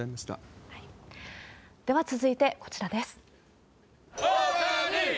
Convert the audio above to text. では続いてこちらです。